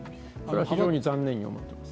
非常に残念に思っています。